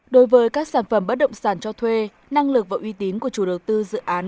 đối với các sản phẩm bất động sản cho thuê năng lực và uy tín của chủ đầu tư dự án